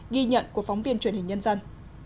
ghi nhận của phóng viên truyền hình nhân dân